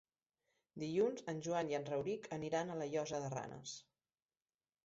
Dilluns en Joan i en Rauric aniran a la Llosa de Ranes.